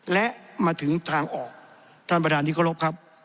และมาถึงทางออกท่านประดาษนิกรบครับ